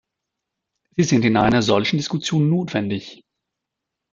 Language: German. Sie sind in einer solchen Diskussion notwendig.